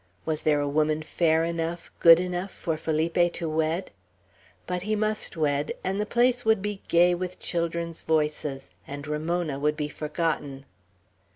Was there a woman fair enough, good enough, for Felipe to wed? But he must wed; and the place would be gay with children's voices, and Ramona would be forgotten.